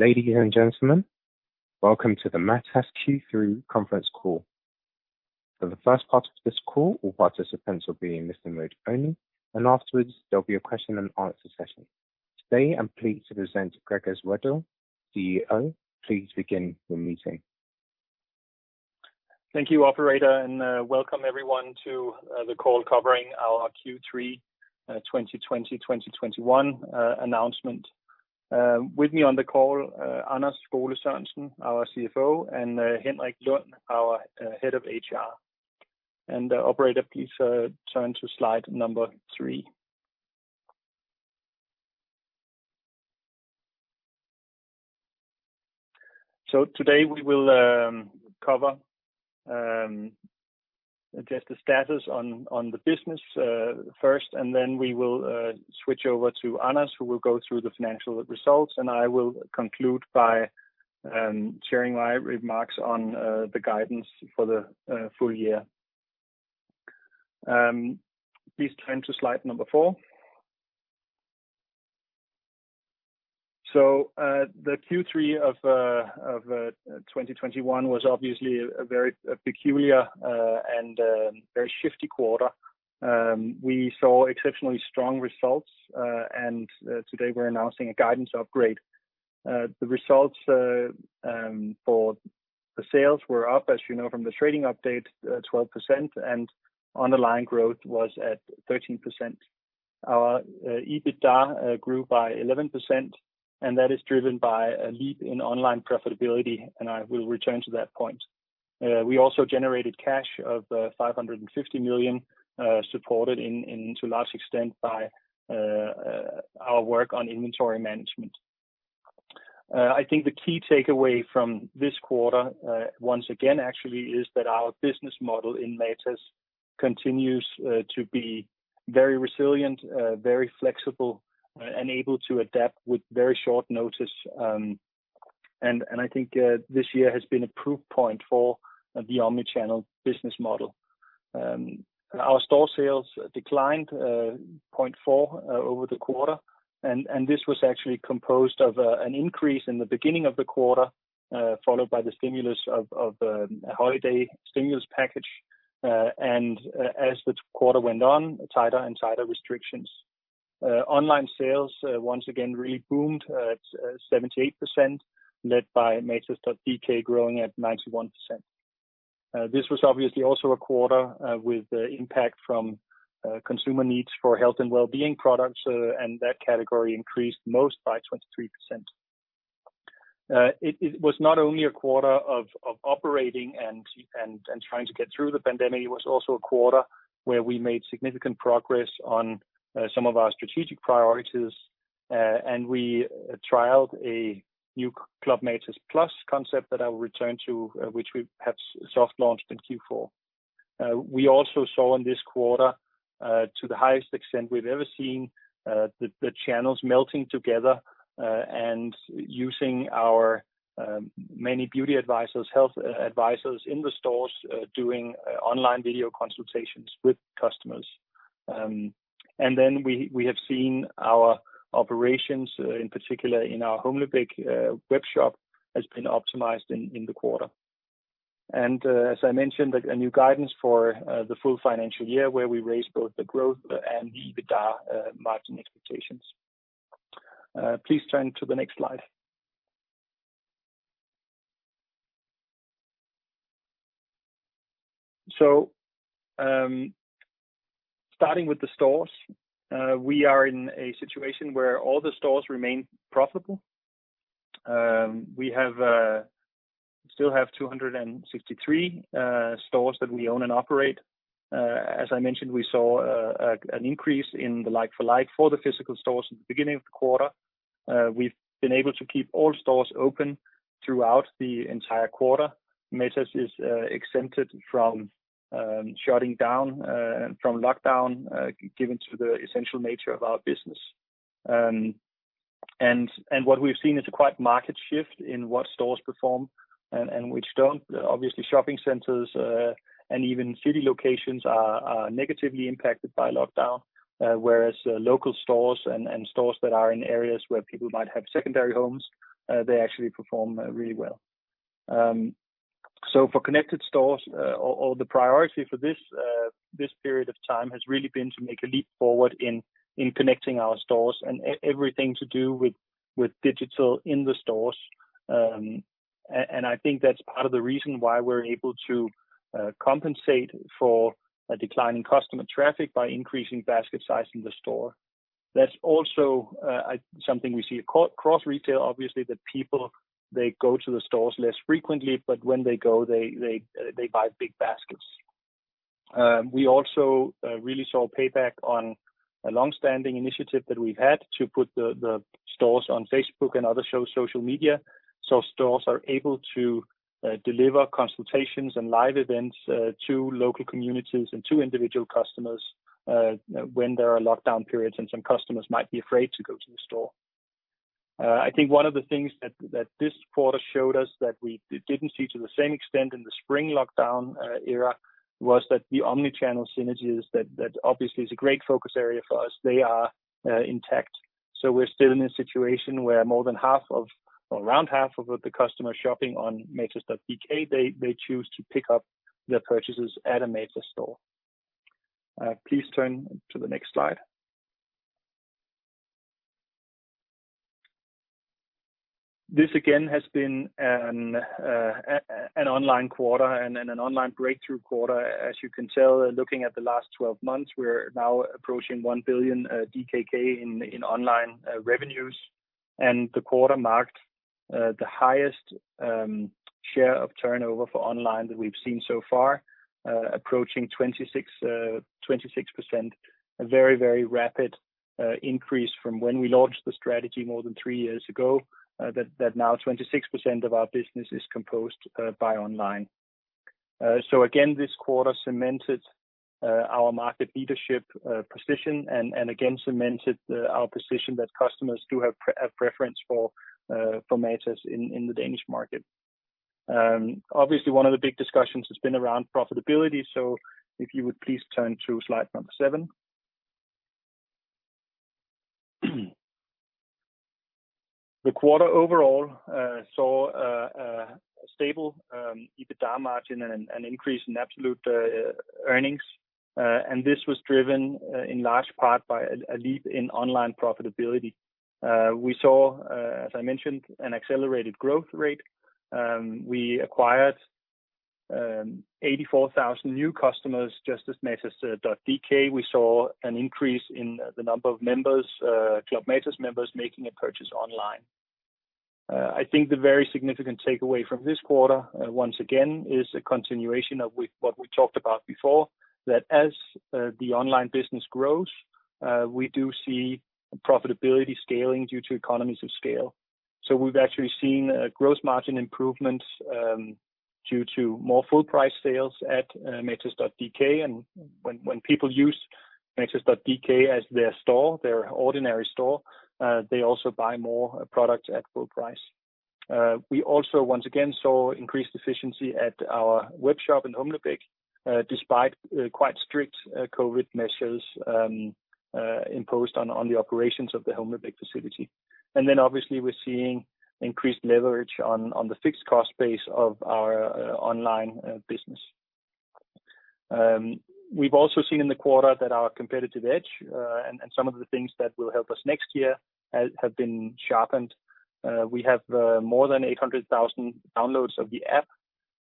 Ladies and gentlemen, welcome to the Matas Q3 Conference Call. For the first part of this call, all participants will be in listen mode only, and afterwards there'll be a question and answer session. Today, I'm pleased to present Gregers Wedell, CEO. Please begin the meeting. Thank you, operator. Welcome everyone to the call covering our Q3 2020/2021 announcement. With me on the call, Anders Skole-Sørensen, our CFO, and Henrik Lund, our Head of HR. Operator, please turn to slide number three. Today we will cover just the status on the business first, and then we will switch over to Anders, who will go through the financial results, and I will conclude by sharing my remarks on the guidance for the full year. Please turn to slide number four. The Q3 of 2021 was obviously a very peculiar and very shifty quarter. We saw exceptionally strong results, and today we're announcing a guidance upgrade. The results for the sales were up, as you know, from the trading update, 12%, and underlying growth was at 13%. Our EBITDA grew by 11%. That is driven by a leap in online profitability. I will return to that point. We also generated cash of 550 million, supported to a large extent by our work on inventory management. I think the key takeaway from this quarter, once again, actually, is that our business model in Matas continues to be very resilient, very flexible, and able to adapt with very short notice. I think this year has been a proof point for the omnichannel business model. Our store sales declined 0.4% over the quarter. This was actually composed of an increase in the beginning of the quarter, followed by the stimulus of a holiday stimulus package, and as the quarter went on, tighter and tighter restrictions. Online sales, once again, really boomed at 78%, led by matas.dk growing at 91%. This was obviously also a quarter with impact from consumer needs for health and wellbeing products. That category increased most by 23%. It was not only a quarter of operating and trying to get through the pandemic, it was also a quarter where we made significant progress on some of our strategic priorities. We trialed a new Club Matas Plus concept that I will return to, which we have soft launched in Q4. We also saw in this quarter, to the highest extent we've ever seen, the channels melting together, using our many beauty advisors, health advisors in the stores doing online video consultations with customers. We have seen our operations, in particular in our hjemmeleveret webshop, has been optimized in the quarter. As I mentioned, a new guidance for the full financial year where we raised both the growth and the EBITDA margin expectations. Please turn to the next slide. Starting with the stores. We are in a situation where all the stores remain profitable. We still have 263 stores that we own and operate. As I mentioned, we saw an increase in the like-for-like for the physical stores at the beginning of the quarter. We've been able to keep all stores open throughout the entire quarter. Matas is exempted from shutting down from lockdown, given to the essential nature of our business. What we've seen is a quite market shift in what stores perform and which don't. Obviously, shopping centers, and even city locations are negatively impacted by lockdown. Whereas local stores and stores that are in areas where people might have secondary homes, they actually perform really well. For connected stores, the priority for this period of time has really been to make a leap forward in connecting our stores and everything to do with digital in the stores. I think that's part of the reason why we're able to compensate for a decline in customer traffic by increasing basket size in the store. That's also something we see across retail, obviously, that people, they go to the stores less frequently, but when they go, they buy big baskets. We also really saw payback on a longstanding initiative that we've had to put the stores on Facebook and other social media. Stores are able to deliver consultations and live events to local communities and to individual customers when there are lockdown periods and some customers might be afraid to go to the store. I think one of the things that this quarter showed us that we didn't see to the same extent in the spring lockdown era was that the omnichannel synergies that obviously is a great focus area for us, they are intact. We're still in a situation where more than half of, or around half of the customer shopping on matas.dk, they choose to pick up their purchases at a Matas store. Please turn to the next slide. This again has been an online quarter and an online breakthrough quarter. As you can tell, looking at the last 12 months, we're now approaching 1 billion DKK in online revenues, and the quarter marked the highest share of turnover for online that we've seen so far, approaching 26%. A very, very rapid increase from when we launched the strategy more than three years ago, that now 26% of our business is composed by online. Again, this quarter cemented our market leadership position and, again, cemented our position that customers do have preference for Matas in the Danish market. Obviously, one of the big discussions has been around profitability. If you would please turn to slide number seven. The quarter overall saw a stable EBITDA margin and an increase in absolute earnings. This was driven in large part by a leap in online profitability. We saw, as I mentioned, an accelerated growth rate. We acquired 84,000 new customers just as matas.dk. We saw an increase in the number of Club Matas members making a purchase online. I think the very significant takeaway from this quarter, once again, is a continuation of what we talked about before, that as the online business grows, we do see profitability scaling due to economies of scale. We've actually seen a gross margin improvement due to more full price sales at matas.dk, and when people use matas.dk as their store, their ordinary store, they also buy more products at full price. We also, once again, saw increased efficiency at our web shop in Holme-Olstrup, despite quite strict COVID-19 measures imposed on the operations of the Holme-Olstrup facility. We're seeing increased leverage on the fixed cost base of our online business. We've also seen in the quarter that our competitive edge and some of the things that will help us next year have been sharpened. We have more than 800,000 downloads of the app,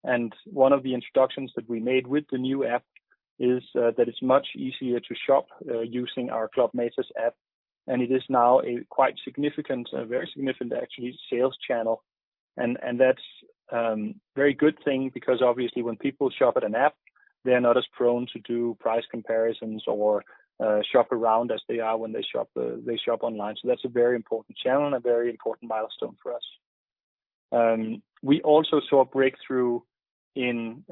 and one of the introductions that we made with the new app is that it's much easier to shop using our Club Matas app, and it is now a quite significant, very significant actually, sales channel. That's very good thing because obviously when people shop at an app, they're not as prone to do price comparisons or shop around as they are when they shop online. That's a very important channel and a very important milestone for us. We also saw a breakthrough in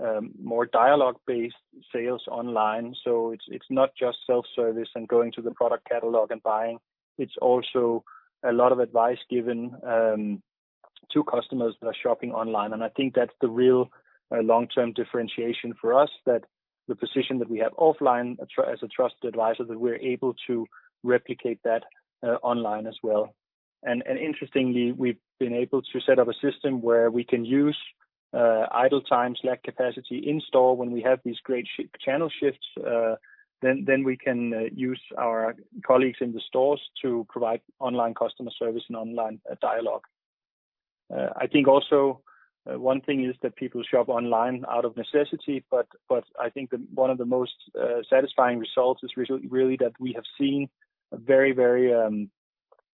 more dialogue-based sales online. It's not just self-service and going to the product catalog and buying. It's also a lot of advice given to customers that are shopping online. I think that's the real long-term differentiation for us, that the position that we have offline as a trusted advisor, that we're able to replicate that online as well. Interestingly, we've been able to set up a system where we can use idle time, slack capacity in store when we have these great channel shifts, then we can use our colleagues in the stores to provide online customer service and online dialogue. I think also one thing is that people shop online out of necessity, but I think one of the most satisfying results is really that we have seen very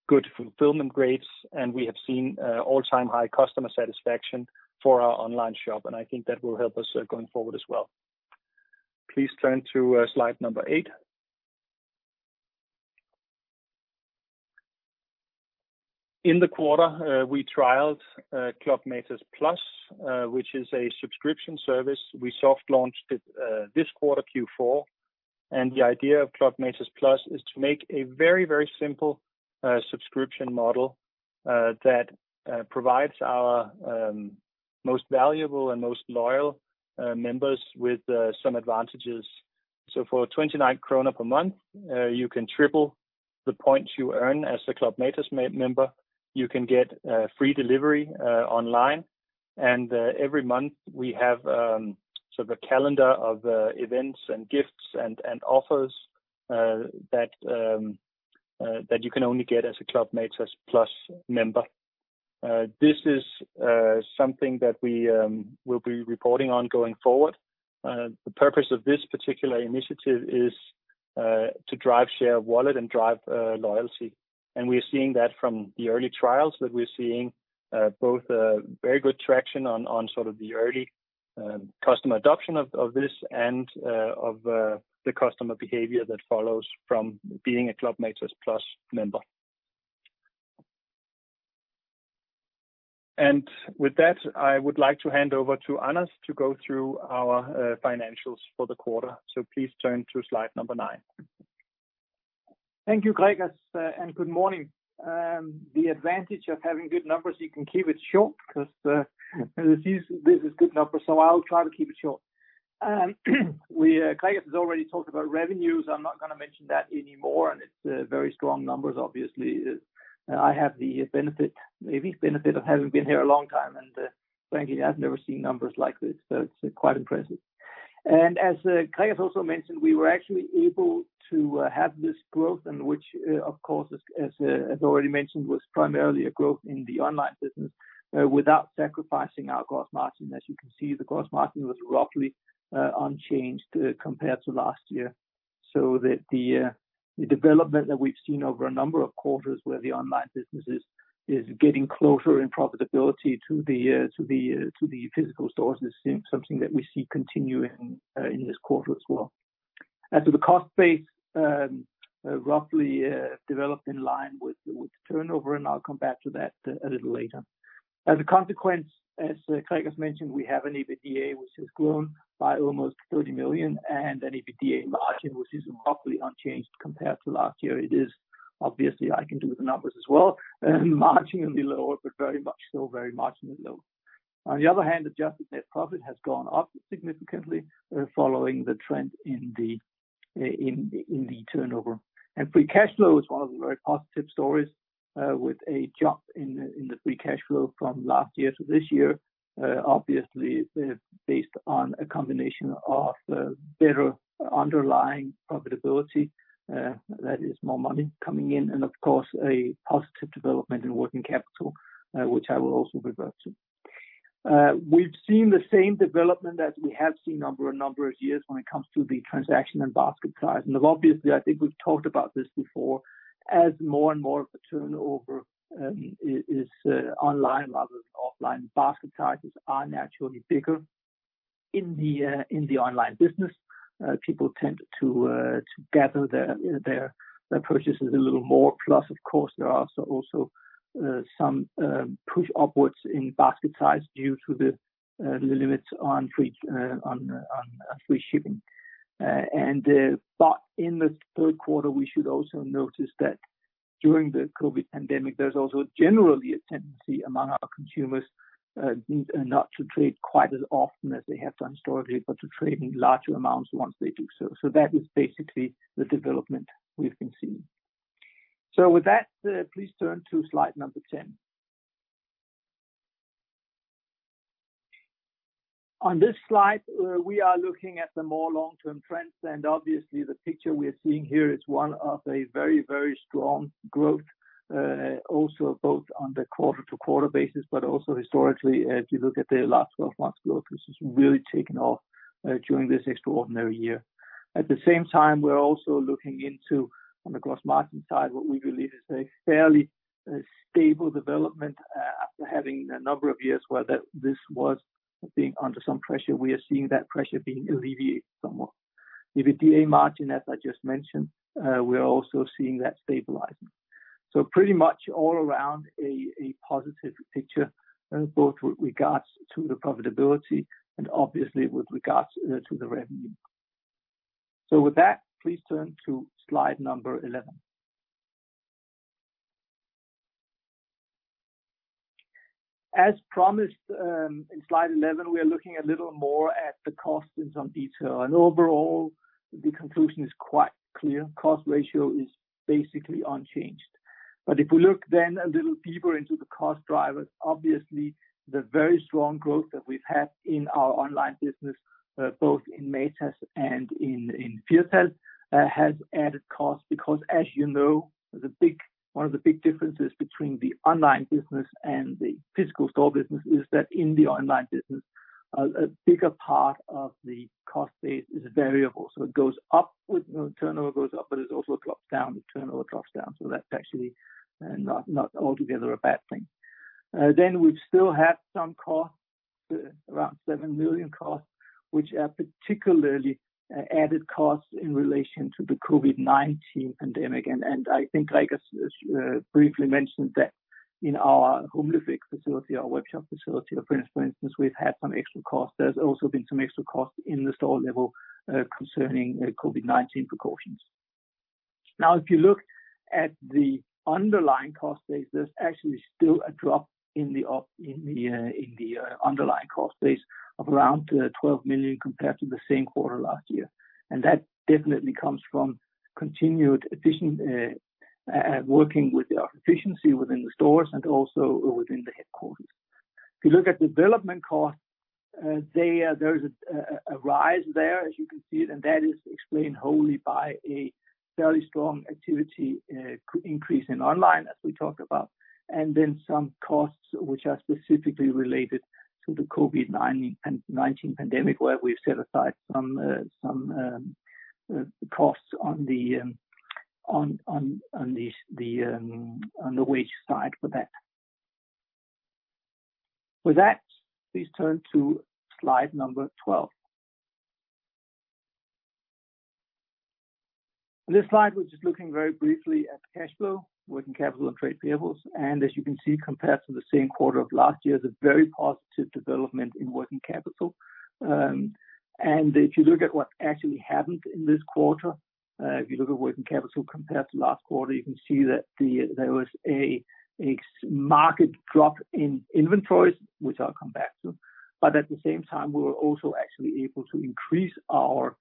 good fulfillment grades, and we have seen all-time high customer satisfaction for our online shop. I think that will help us going forward as well. Please turn to slide number eight. In the quarter, we trialed Club Matas Plus, which is a subscription service. We soft launched it this quarter, Q4. The idea of Club Matas Plus is to make a very, very simple subscription model that provides our most valuable and most loyal members with some advantages. For 29 krone per month, you can triple the points you earn as a Club Matas member. You can get free delivery online, and every month we have sort of a calendar of events and gifts and offers that you can only get as a Club Matas Plus member. This is something that we will be reporting on going forward. The purpose of this particular initiative is to drive, share wallet, and drive loyalty. We're seeing that from the early trials, that we're seeing both a very good traction on sort of the early customer adoption of this and of the customer behavior that follows from being a Club Matas Plus member. With that, I would like to hand over to Anders to go through our financials for the quarter. Please turn to slide number nine. Thank you, Gregers, and good morning. The advantage of having good numbers, you can keep it short because this is good numbers, so I'll try to keep it short. Gregers has already talked about revenues. I'm not going to mention that anymore, and it's very strong numbers, obviously. I have the benefit, maybe benefit of having been here a long time, and frankly, I've never seen numbers like this, so it's quite impressive. As Gregers also mentioned, we were actually able to have this growth in which, of course, as already mentioned, was primarily a growth in the online business without sacrificing our gross margin. As you can see, the gross margin was roughly unchanged compared to last year. The development that we've seen over a number of quarters where the online business is getting closer in profitability to the physical stores is something that we see continuing in this quarter as well. To the cost base, roughly developed in line with the turnover, and I will come back to that a little later. A consequence, as Gregers mentioned, we have an EBITDA which has grown by almost 30 million and an EBITDA margin, which is roughly unchanged compared to last year. It is obviously, I can do the numbers as well, marginally lower, but very much so, very marginally low. On the other hand, adjusted net profit has gone up significantly following the trend in the turnover. Free cash flow is one of the very positive stories, with a jump in the free cash flow from last year to this year, obviously based on a combination of better underlying profitability. That is more money coming in, and of course, a positive development in working capital, which I will also revert to. We've seen the same development as we have seen over a number of years when it comes to the transaction and basket size. Obviously, I think we've talked about this before, as more and more of the turnover is online rather than offline, basket sizes are naturally bigger in the online business. People tend to gather their purchases a little more. Plus, of course, there are also some push upwards in basket size due to the limits on free shipping. In the third quarter, we should also notice that during the COVID pandemic, there's also generally a tendency among our consumers not to trade quite as often as they have done historically, but to trade in larger amounts once they do so. That is basically the development we've been seeing. With that, please turn to slide number 10. On this slide, we are looking at the more long-term trends, and obviously the picture we are seeing here is one of a very strong growth, also both on the quarter to quarter basis, but also historically as we look at the last 12 months growth, this has really taken off during this extraordinary year. At the same time, we're also looking into, on the gross margin side, what we believe is a fairly stable development after having a number of years where this was being under some pressure. We are seeing that pressure being alleviated somewhat. EBITDA margin, as I just mentioned, we are also seeing that stabilizing. Pretty much all around a positive picture, both with regards to the profitability and obviously with regards to the revenue. With that, please turn to slide number 11. As promised, in slide 11, we are looking a little more at the cost in some detail. Overall, the conclusion is quite clear. Cost ratio is basically unchanged. If we look a little deeper into the cost drivers, obviously the very strong growth that we've had in our online business, both in Matas and in Firtal, has added cost because as you know, one of the big differences between the online business and the physical store business is that in the online business, a bigger part of the cost base is variable. It goes up when turnover goes up, but it also drops down when turnover drops down. That's actually not altogether a bad thing. We've still had some costs, around 7 million costs, which are particularly added costs in relation to the COVID-19 pandemic. I think Gregers briefly mentioned that in our hjemmeleveret facility, our webshop facility, for instance, we've had some extra costs. There's also been some extra costs in the store level concerning COVID-19 precautions. If you look at the underlying cost base, there's actually still a drop in the underlying cost base of around 12 million compared to the same quarter last year. That definitely comes from continued working with the efficiency within the stores and also within the headquarters. If you look at development costs, there is a rise there as you can see it, and that is explained wholly by a fairly strong activity increase in online, as we talked about, and then some costs which are specifically related to the COVID-19 pandemic, where we've set aside some costs on the wage side for that. With that, please turn to slide number 12. On this slide, we're just looking very briefly at the cash flow, working capital, and trade payables. As you can see, compared to the same quarter of last year, there's a very positive development in working capital. If you look at working capital compared to last quarter, you can see that there was a marked drop in inventories, which I'll come back to. At the same time, we were also actually able to increase our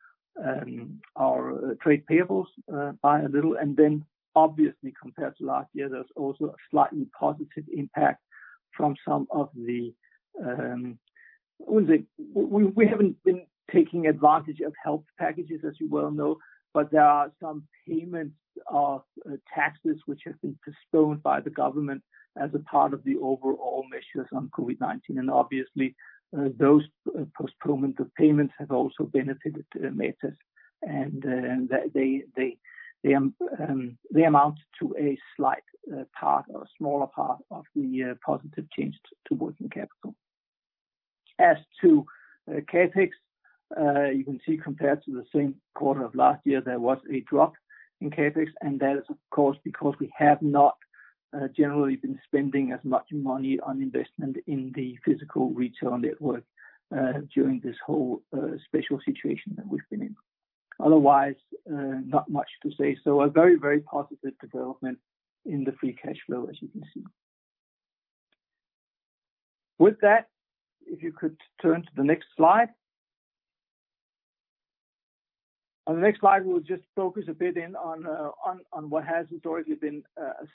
trade payables by a little. Obviously compared to last year, there's also a slightly positive impact from We haven't been taking advantage of health packages, as you well know, but there are some payments of taxes which have been postponed by the government as a part of the overall measures on COVID-19. Obviously, those postponement of payments have also benefited Matas, and they amount to a slight part or a smaller part of the positive change to working capital. As to CapEx, you can see compared to the same quarter of last year, there was a drop in CapEx. That is, of course, because we have not generally been spending as much money on investment in the physical retail network during this whole special situation that we've been in. Otherwise, not much to say. A very, very positive development in the free cash flow, as you can see. With that, if you could turn to the next slide. On the next slide, we'll just focus a bit in on what has historically been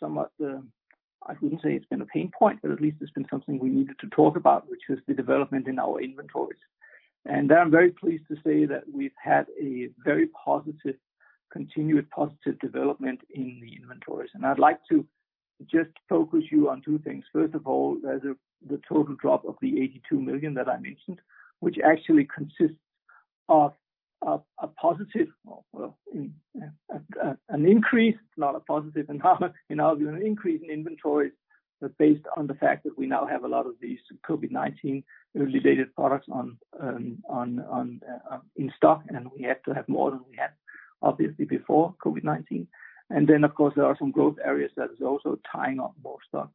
somewhat, I wouldn't say it's been a pain point, but at least it's been something we needed to talk about, which was the development in our inventories. There I'm very pleased to say that we've had a very positive, continuous, positive development in the inventories. I'd like to just focus you on two things. First of all, the total drop of the 82 million that I mentioned, which actually consists of a positive, well, an increase, not a positive, an increase in inventories. Based on the fact that we now have a lot of these COVID-19 related products in stock, and we have to have more than we had, obviously, before COVID-19. Of course, there are some growth areas that is also tying up more stock.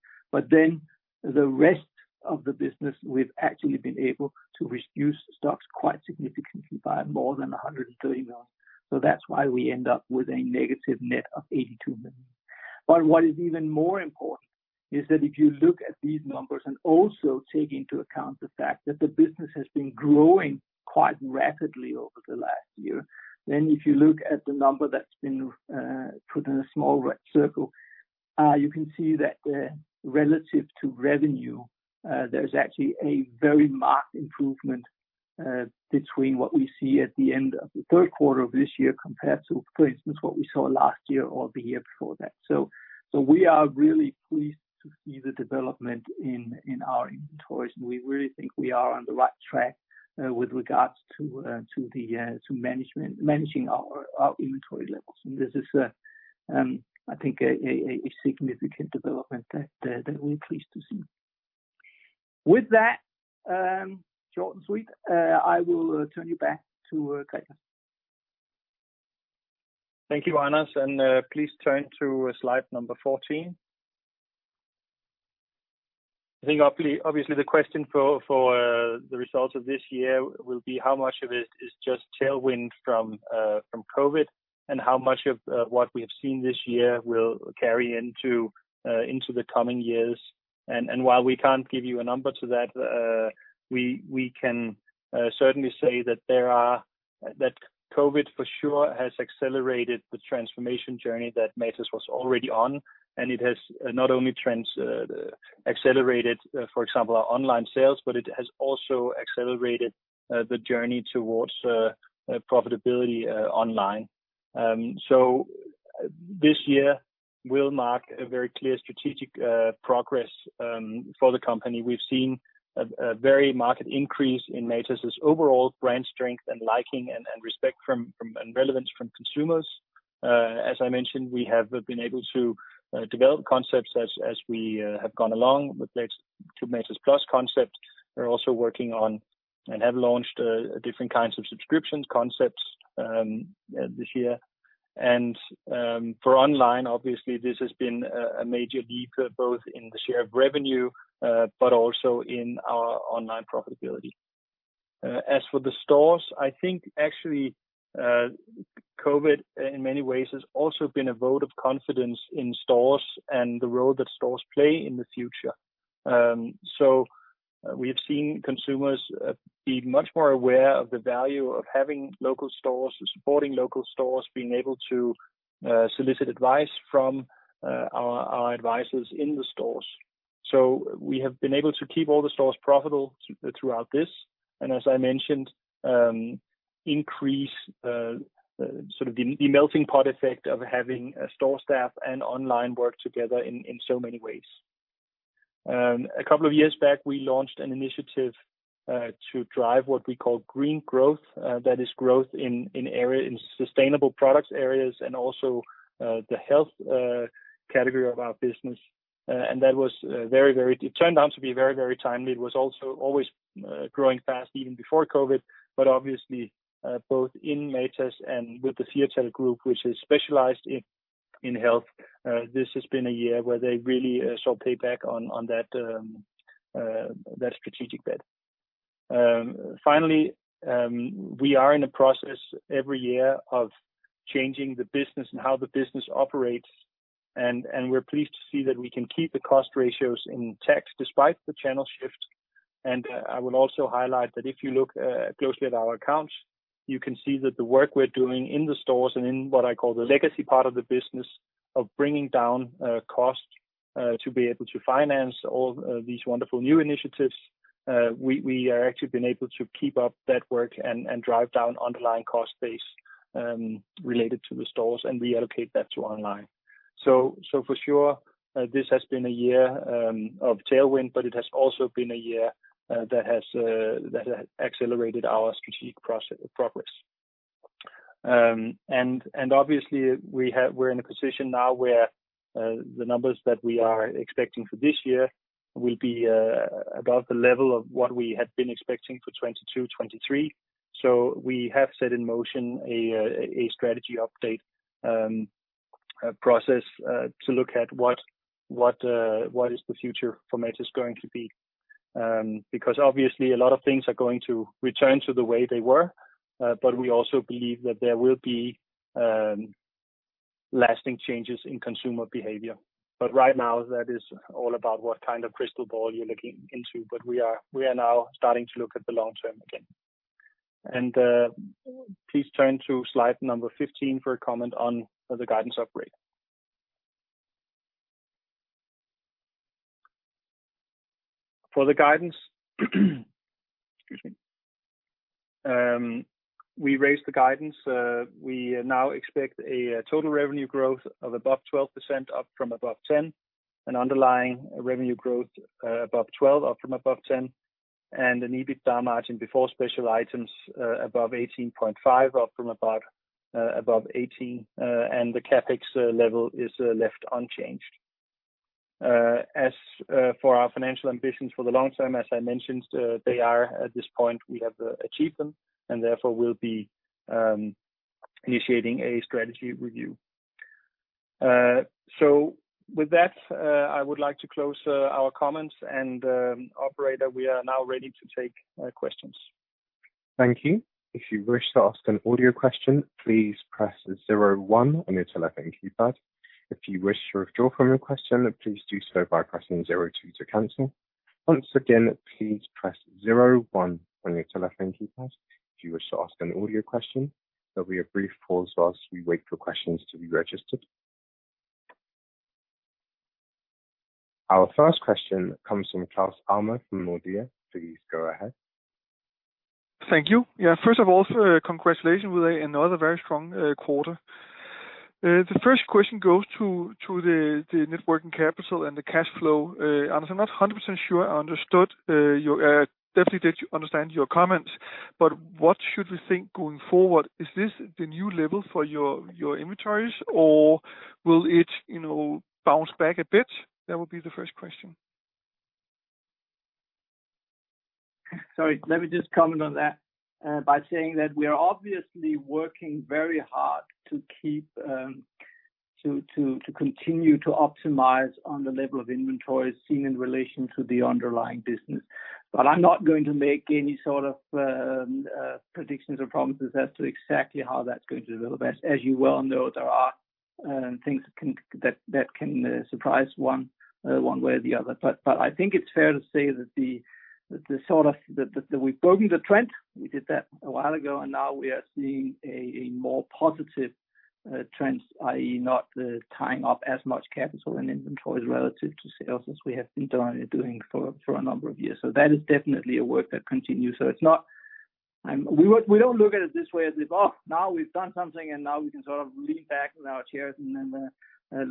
The rest of the business, we've actually been able to reduce stocks quite significantly by more than 130 million. That's why we end up with a negative net of 82 million. What is even more important is that if you look at these numbers and also take into account the fact that the business has been growing quite rapidly over the last year, then if you look at the number that's been put in a small red circle, you can see that relative to revenue, there's actually a very marked improvement between what we see at the end of the third quarter of this year compared to, for instance, what we saw last year or the year before that. We are really pleased to see the development in our inventories, and we really think we are on the right track with regards to managing our inventory levels. This is, I think, a significant development that we're pleased to see. With that short suite, I will turn you back to Gregers. Thank you, Anders. Please turn to slide number 14. I think obviously the question for the results of this year will be how much of it is just tailwind from COVID and how much of what we have seen this year will carry into the coming years. While we can't give you a number to that, we can certainly say that COVID for sure has accelerated the transformation journey that Matas was already on. It has not only accelerated, for example, our online sales, but it has also accelerated the journey towards profitability online. This year will mark a very clear strategic progress for the company. We've seen a very marked increase in Matas' overall brand strength and liking and respect from, and relevance from consumers. As I mentioned, we have been able to develop concepts as we have gone along with Matas Plus concept. We're also working on and have launched different kinds of subscriptions concepts this year. For online, obviously this has been a major leap, both in the share of revenue, but also in our online profitability. As for the stores, I think actually COVID in many ways has also been a vote of confidence in stores and the role that stores play in the future. We have seen consumers be much more aware of the value of having local stores, supporting local stores, being able to solicit advice from our advisors in the stores. We have been able to keep all the stores profitable throughout this, and as I mentioned, increase sort of the melting pot effect of having store staff and online work together in so many ways. A couple of years back, we launched an initiative to drive what we call green growth. That is growth in sustainable products areas and also the health category of our business. It turned out to be very timely. It was also always growing fast, even before COVID. Obviously, both in Matas and with the Firtal Group, which is specialized in health, this has been a year where they really saw payback on that strategic bet. Finally, we are in a process every year of changing the business and how the business operates, and we're pleased to see that we can keep the cost ratios in check despite the channel shift. I will also highlight that if you look closely at our accounts, you can see that the work we're doing in the stores and in what I call the legacy part of the business of bringing down cost to be able to finance all these wonderful new initiatives. We are actually been able to keep up that work and drive down underlying cost base related to the stores and reallocate that to online. For sure, this has been a year of tailwind, but it has also been a year that has accelerated our strategic progress. Obviously we're in a position now where the numbers that we are expecting for this year will be above the level of what we had been expecting for 2022, 2023. We have set in motion a strategy update process, to look at what is the future for Matas going to be. Because obviously a lot of things are going to return to the way they were. We also believe that there will be lasting changes in consumer behavior. Right now, that is all about what kind of crystal ball you're looking into. We are now starting to look at the long term again. Please turn to slide number 15 for a comment on the guidance upgrade. For the guidance, excuse me. We raised the guidance. We now expect a total revenue growth of above 12% up from above 10%, an underlying revenue growth above 12% up from above 10%, and an EBITDA margin before special items, above 18.5% up from above 18%. The CapEx level is left unchanged. As for our financial ambitions for the long term, as I mentioned, they are at this point, we have achieved them and therefore we'll be initiating a strategy review. With that, I would like to close our comments and, operator, we are now ready to take questions. Thank you. Our first question comes from Claus Almer from Nordea. Please go ahead. Thank you. Yeah, first of all, congratulations with another very strong quarter. The first question goes to the networking capital and the cash flow. Anders, I'm not 100% sure I understood, definitely did understand your comments, but what should we think going forward? Is this the new level for your inventories or will it bounce back a bit? That would be the first question. Sorry. Let me just comment on that by saying that we are obviously working very hard to continue to optimize on the level of inventories seen in relation to the underlying business. I'm not going to make any sort of predictions or promises as to exactly how that's going to develop. As you well know, there are things that can surprise one way or the other. I think it's fair to say that we've broken the trend. We did that a while ago, and now we are seeing a more positive trend, i.e., not tying up as much capital and inventories relative to sales as we have been doing for a number of years. That is definitely a work that continues. We don't look at it this way as if, oh, now we've done something, now we can sort of lean back in our chairs then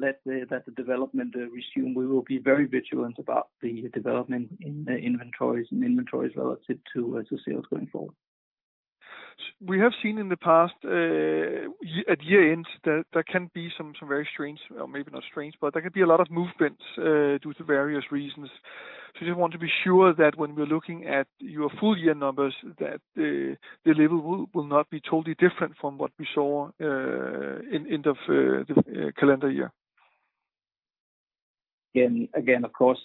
let the development resume. We will be very vigilant about the development in inventories and inventories relative to sales going forward. We have seen in the past at year-end that there can be some very strange or maybe not strange, but there can be a lot of movements due to various reasons. We just want to be sure that when we're looking at your full year numbers, that the level will not be totally different from what we saw in end of the calendar year. Of course,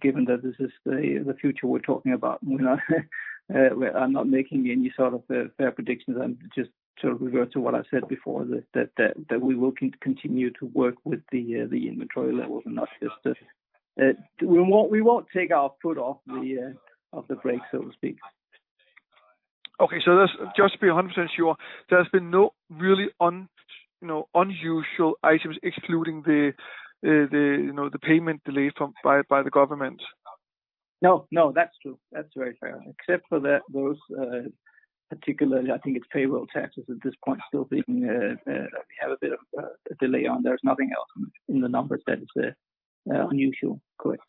given that this is the future we're talking about, I'm not making any sort of fair predictions. I'm just sort of revert to what I said before, that we will continue to work with the inventory levels and we won't take our foot off the brake, so to speak. Okay. Just to be 100% sure, there's been no really unusual items excluding the payment delay by the government? No, that's true. That's very fair. Except for those, particularly, I think it's payroll taxes at this point, still being, we have a bit of a delay on. There's nothing else in the numbers that is unusual. Correct.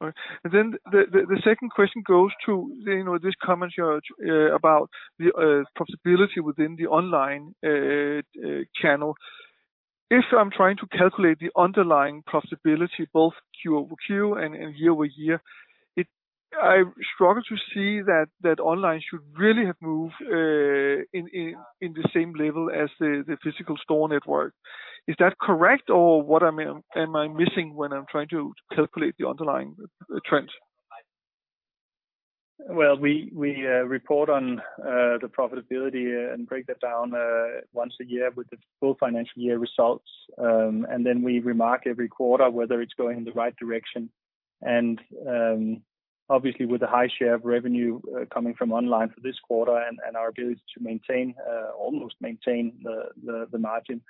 All right. The second question goes to this commentary about the profitability within the online channel. If I'm trying to calculate the underlying profitability both Q-over-Q and year-over-year, I struggle to see that online should really have moved in the same level as the physical store network. Is that correct? What am I missing when I'm trying to calculate the underlying trend? Well, we report on the profitability and break that down once a year with the full financial year results, and then we remark every quarter whether it's going in the right direction. Obviously, with a high share of revenue coming from online for this quarter and our ability to almost maintain the margin,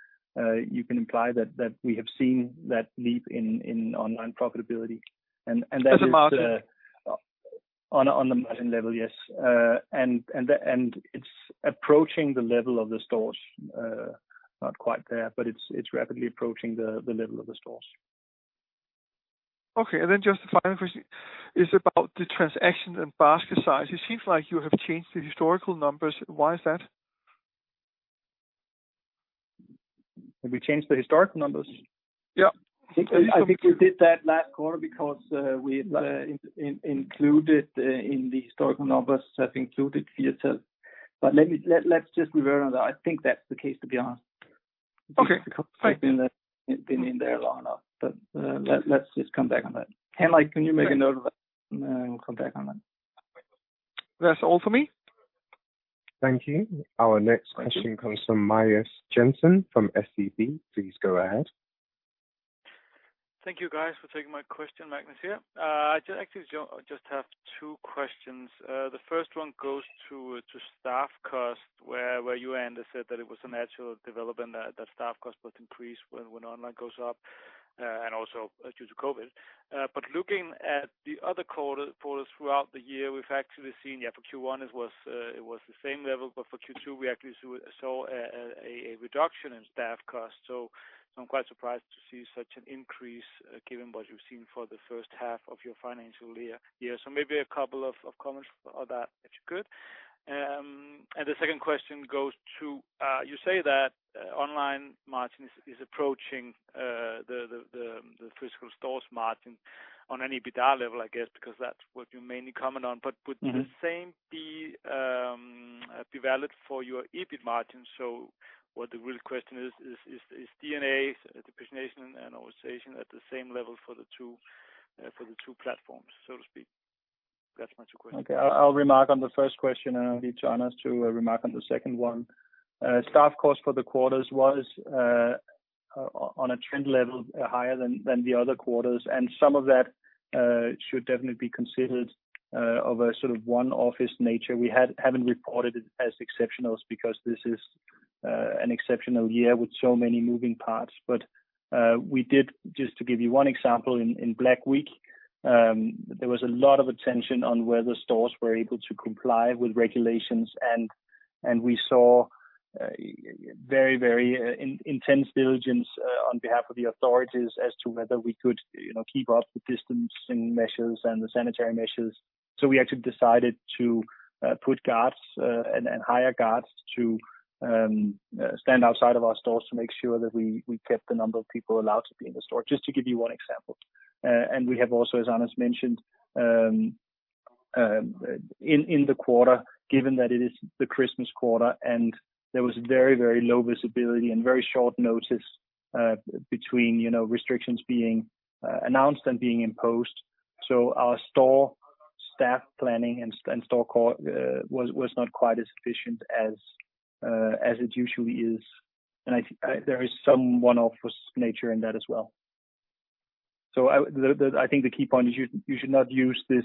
you can imply that we have seen that leap in online profitability. That is. As a margin? On the margin level, yes. It's approaching the level of the stores. Not quite there, but it's rapidly approaching the level of the stores. Okay. Just the final question is about the transactions and basket size. It seems like you have changed the historical numbers. Why is that? Have we changed the historical numbers? Yeah. I think we did that last quarter because we had included in the historical numbers, have included Firtal. Let's just revert on that. I think that's the case, to be honest. Okay, thank you. It's been in there long enough. Let's just come back on that. Can you make a note of that, and we'll come back on that. That's all for me. Thank you. Our next question comes from Magnus Jensen from SEB. Please go ahead. Thank you, guys, for taking my question. Magnus here. I actually just have two questions. The first one goes to staff cost, where you, Anders, said that it was a natural development that staff cost would increase when online goes up, and also due to COVID. Looking at the other quarters throughout the year, we've actually seen, for Q1 it was the same level, but for Q2, we actually saw a reduction in staff cost. I'm quite surprised to see such an increase, given what you've seen for the first half of your financial year. Maybe a couple of comments for that, if you could. The second question goes to, you say that online margin is approaching the physical stores margin on an EBITDA level, I guess, because that's what you mainly comment on. Would the same be valid for your EBIT margin? What the real question is D&A, depreciation and amortization, at the same level for the two platforms, so to speak? That is my two questions. Okay. I'll remark on the first question, and I'll leave Anders to remark on the second one. Staff cost for the quarters was on a trend level higher than the other quarters, and some of that should definitely be considered of a sort of one-office nature. We haven't reported it as exceptionals because this is an exceptional year with so many moving parts. We did, just to give you one example, in Black Week, there was a lot of attention on whether stores were able to comply with regulations, and we saw very intense diligence on behalf of the authorities as to whether we could keep up the distancing measures and the sanitary measures. We actually decided to put guards and hire guards to stand outside of our stores to make sure that we kept the number of people allowed to be in the store. Just to give you one example. We have also, as Anders mentioned, in the quarter, given that it is the Christmas quarter, and there was very low visibility and very short notice between restrictions being announced and being imposed. Our store staff planning and store costs was not quite as efficient as it usually is. There is some one-off nature in that as well. I think the key point is you should not use this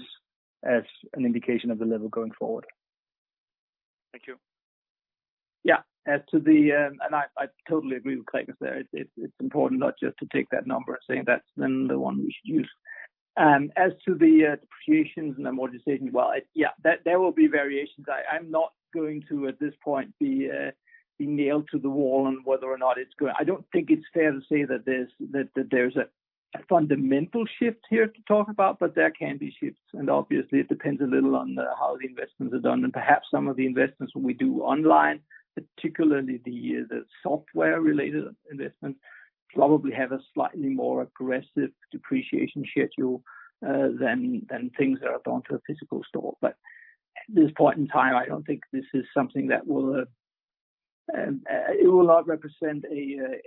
as an indication of the level going forward. Thank you. Yeah. I totally agree with Magnus there. It's important not just to take that number and say that's then the one we should use. As to the depreciations and amortization, well, yeah, there will be variations. I'm not going to, at this point, be nailed to the wall on whether or not I don't think it's fair to say that there's a fundamental shift here to talk about, but there can be shifts, and obviously, it depends a little on how the investments are done. Perhaps some of the investments we do online, particularly the software-related investments, probably have a slightly more aggressive depreciation schedule than things that are done to a physical store. At this point in time, I don't think this is something that It will not represent a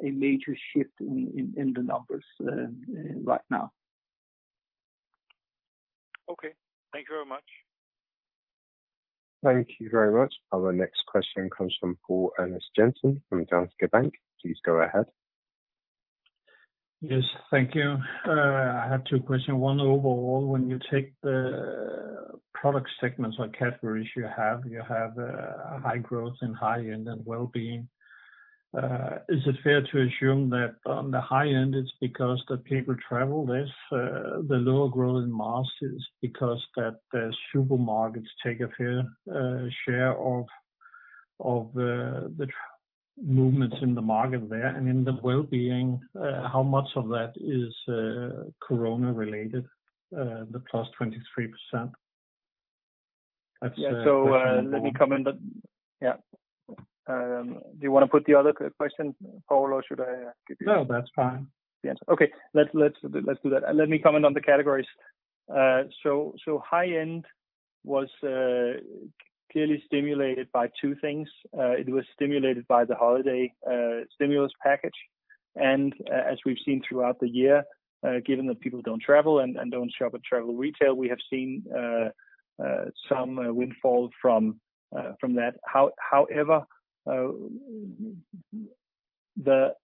major shift in the numbers right now. Okay. Thank you very much. Thank you very much. Our next question comes from Poul Ernst Jensen from Danske Bank. Please go ahead. Yes. Thank you. I have two questions. One, overall, when you take the product segments or categories you have, you have a high growth in high-end and wellbeing. Is it fair to assume that on the high-end it's because the people travel less? The lower growth in mass is because the supermarkets take a fair share of the movements in the market there. In the wellbeing, how much of that is Corona related, the +23%? Let me comment. Yeah. Do you want to put the other question, Poul, or should I give you? No, that's fine. Yes. Okay. Let's do that. Let me comment on the categories. High end was clearly stimulated by two things. It was stimulated by the holiday stimulus package. As we've seen throughout the year, given that people don't travel and don't shop at travel retail, we have seen some windfall from that. However, the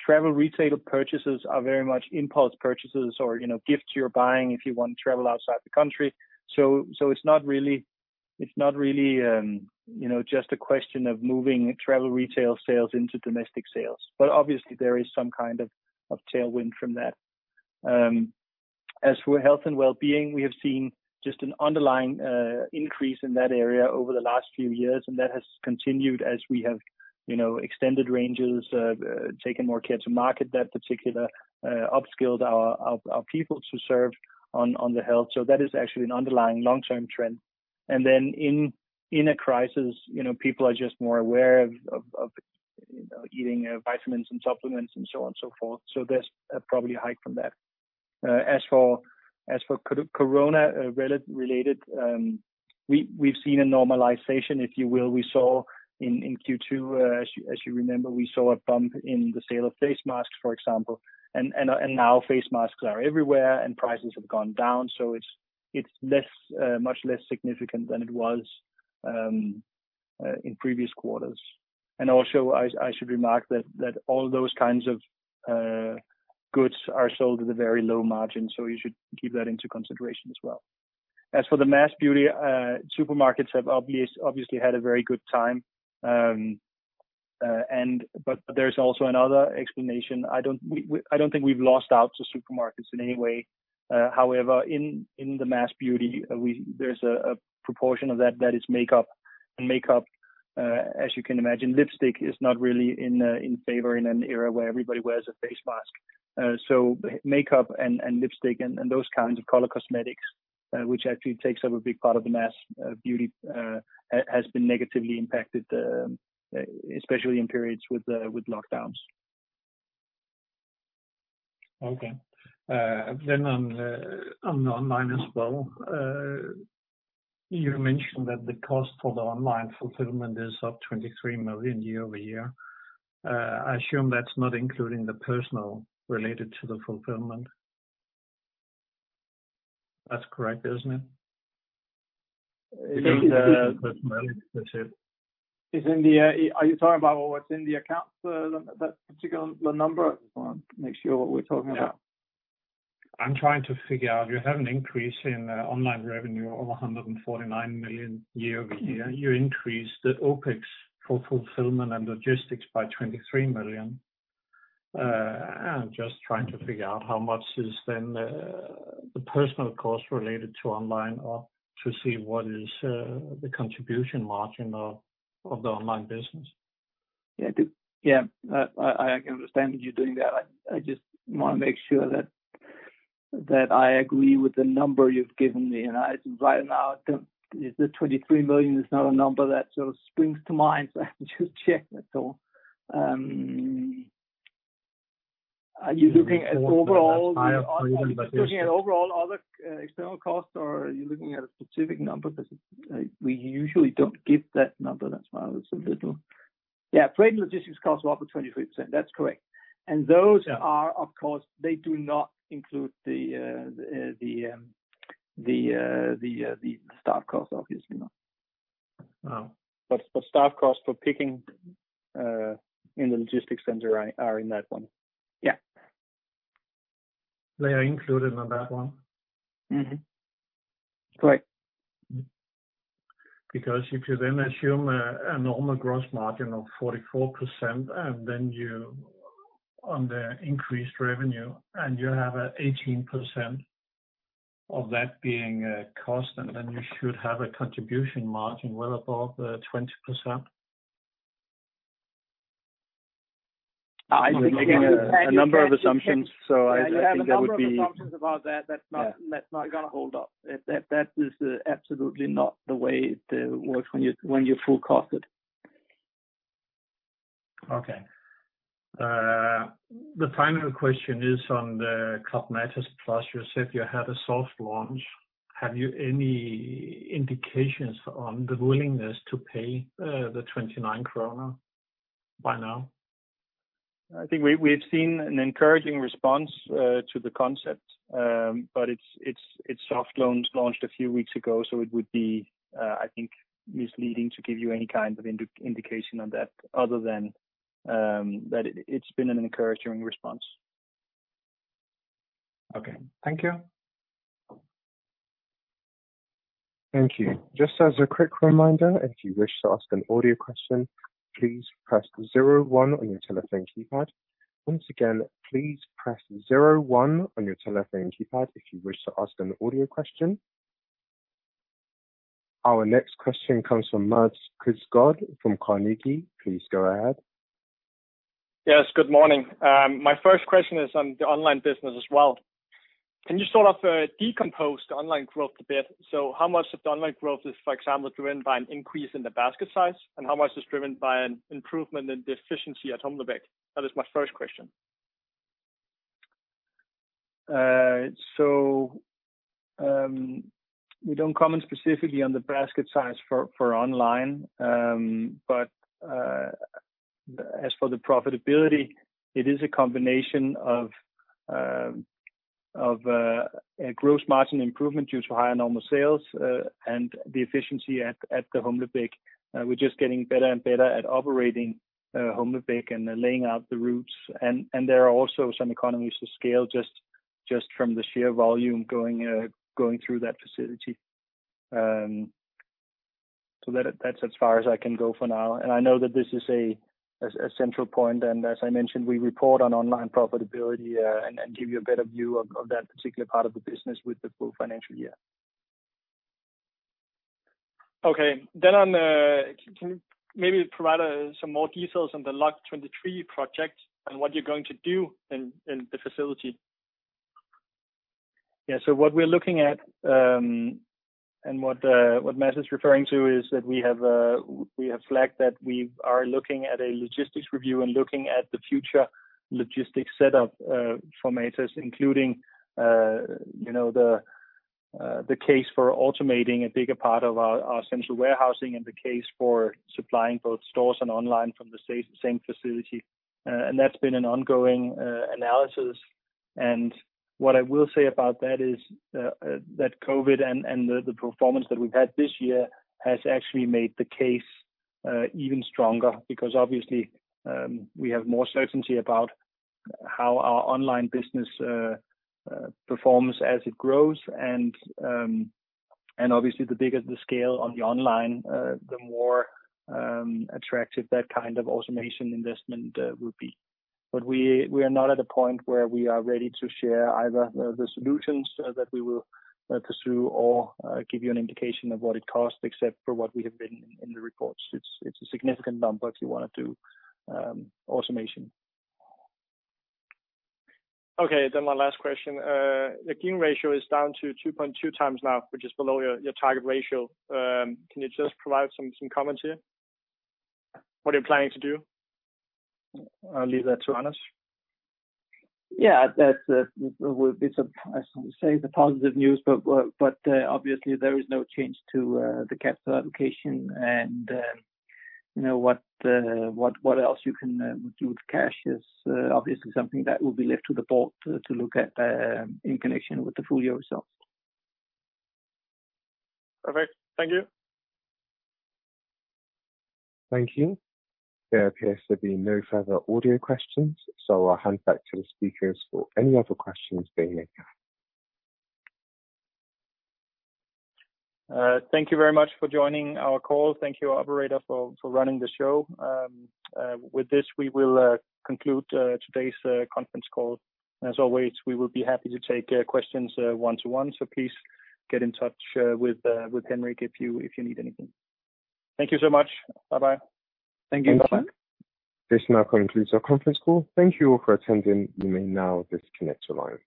travel retail purchases are very much impulse purchases or gifts you're buying if you want to travel outside the country. It's not really just a question of moving travel retail sales into domestic sales. Obviously there is some kind of tailwind from that. As for health and wellbeing, we have seen just an underlying increase in that area over the last few years, and that has continued as we have extended ranges, taken more care to market that particular, upskilled our people to serve on the health. That is actually an underlying long-term trend. Then in a crisis, people are just more aware of eating vitamins and supplements and so on and so forth. There's probably a hike from that. As for COVID-related, we've seen a normalization, if you will. We saw in Q2, as you remember, we saw a bump in the sale of face masks, for example, and now face masks are everywhere and prices have gone down. It's much less significant than it was in previous quarters. Also, I should remark that all those kinds of goods are sold at a very low margin, so you should keep that into consideration as well. As for the mass beauty, supermarkets have obviously had a very good time. There's also another explanation. I don't think we've lost out to supermarkets in any way. However, in the mass beauty, there's a proportion of that that is makeup. Makeup, as you can imagine, lipstick is not really in favor in an era where everybody wears a face mask. Makeup and lipstick and those kinds of color cosmetics, which actually takes up a big part of the mass beauty, has been negatively impacted, especially in periods with lockdowns. Okay. On the online as well, you mentioned that the cost for the online fulfillment is up 23 million year-over-year. I assume that's not including the personnel related to the fulfillment. That's correct, isn't it? Including the personnel, that's it. Are you talking about what's in the accounts for that particular number? I just want to make sure what we're talking about. Yeah. I'm trying to figure out, you have an increase in online revenue of 149 million year-over-year. You increased the OpEx for fulfillment and logistics by 23 million. I'm just trying to figure out how much is then the personal cost related to online or to see what is the contribution margin of the online business. Yeah. I can understand you doing that. I just want to make sure that I agree with the number you've given me. Right now, the 23 million is not a number that sort of springs to mind, so I have to check that. Are you looking at overall other external costs or are you looking at a specific number? We usually don't give that number. Yeah, freight and logistics costs were up for 23%. That's correct. Those are, of course, they do not include the staff cost, obviously. Wow. Staff cost for picking in the logistics center are in that one. Yeah. They are included on that one? Correct. Because if you then assume a normal gross margin of 44% and then you, on the increased revenue and you have 18% of that being cost, and then you should have a contribution margin well above 20%. You're making a number of assumptions. Yeah, you have a number of assumptions about that's not going to hold up. That is absolutely not the way it works when you full cost it. Okay. The final question is on the Club Matas Plus. You said you had a soft launch. Have you any indications on the willingness to pay the 29 kroner by now? I think we've seen an encouraging response to the concept. It soft launched a few weeks ago, so it would be, I think, misleading to give you any kind of indication on that other than that it's been an encouraging response. Okay. Thank you. Thank you. Just as a quick reminder, if you wish to ask an audio question, please press zero one on your telephone keypad. Once again, please press zero one on your telephone keypad if you wish to ask an audio question. Our next question comes from Mads Quistgaard from Carnegie. Please go ahead. Yes, good morning. My first question is on the online business as well. Can you sort of decompose the online growth a bit? How much of the online growth is, for example, driven by an increase in the basket size, and how much is driven by an improvement in the efficiency at hjemmeleveret? That is my first question. We don't comment specifically on the basket size for online. As for the profitability, it is a combination of a gross margin improvement due to higher normal sales, and the efficiency at the hjemmeleveret. We're just getting better and better at operating hjemmeleveret and laying out the routes. There are also some economies to scale just from the sheer volume going through that facility. That's as far as I can go for now. I know that this is a central point, and as I mentioned, we report on online profitability, and give you a better view of that particular part of the business with the full financial year. Okay. Can you maybe provide some more details on the LOG23 project and what you're going to do in the facility? What we're looking at, and what Mads is referring to, is that we have flagged that we are looking at a logistics review and looking at the future logistics setup for Matas, including the case for automating a bigger part of our central warehousing and the case for supplying both stores and online from the same facility. That's been an ongoing analysis. What I will say about that is that COVID and the performance that we've had this year has actually made the case even stronger, because obviously, we have more certainty about how our online business performs as it grows. Obviously the bigger the scale on the online, the more attractive that kind of automation investment will be. We are not at a point where we are ready to share either the solutions that we will pursue or give you an indication of what it costs except for what we have been in the reports. It's a significant number if you want to do automation. Okay. My last question. The NIBD/EBITDA ratio is down to 2.2x now, which is below your target ratio. Can you just provide some comments here? What are you planning to do? I'll leave that to Anders. Yeah. That would be, I shouldn't say the positive news, but obviously there is no change to the capital allocation and what else you can do with cash is obviously something that will be left to the board to look at in connection with the full year results. Perfect. Thank you. Thank you. There appears to be no further audio questions, so I'll hand back to the speakers for any other questions they may have. Thank you very much for joining our call. Thank you, operator, for running the show. With this, we will conclude today's conference call. As always, we will be happy to take questions one-to-one, so please get in touch with Henrik if you need anything. Thank you so much. Bye-bye. Thank you. Bye-bye. This now concludes our conference call. Thank you all for attending. You may now disconnect your lines.